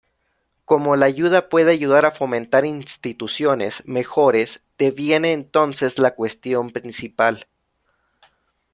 Cómo la ayuda puede ayudar a fomentar instituciones mejores deviene entonces la cuestión principal.